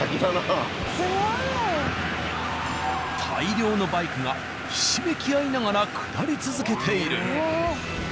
大量のバイクがひしめき合いながら下り続けている。